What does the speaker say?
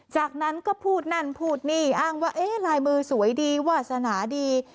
จากนั้นก็พูดนั่นพูดนี่อ้างว่าเอ๊ะลายมือสวยดีวาสนาดี